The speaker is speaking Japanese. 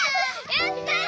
やった！